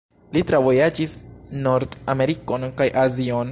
Li travojaĝis Nord-Amerikon kaj Azion.